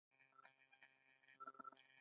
یوه تېل لري بل اوبه.